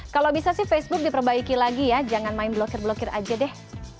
kalau bisa sih facebook diperbaiki lagi ya jangan main blokir blokir aja deh